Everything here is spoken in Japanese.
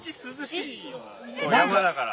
山だから。